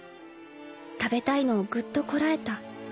［食べたいのをぐっとこらえた］